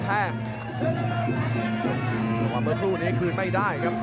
เดี๋ยวก็แม่งคู่นี้คืนไม่ได้ครับ